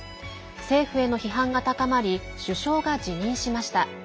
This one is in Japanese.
政府への批判が高まり首相が辞任しました。